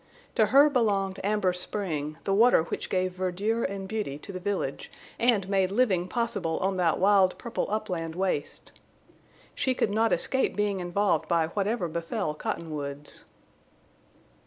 To her belonged Amber Spring, the water which gave verdure and beauty to the village and made living possible on that wild purple upland waste. She could not escape being involved by whatever befell Cottonwoods.